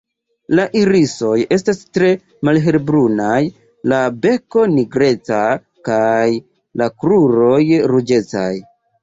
La irisoj estas tre malhelbrunaj, la beko nigreca kaj la kruroj ruĝecaj.